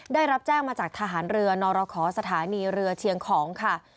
ได้รับแจ้งมาจากทหารเรือนรขอสถานีเรือเชียงของค่ะ